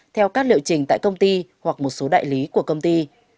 theo các liệu trình tại công ty hoặc một số đại lý của công ty